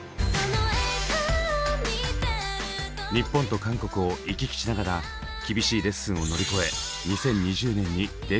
日本と韓国を行き来しながら厳しいレッスンを乗り越え２０２０年にデビュー。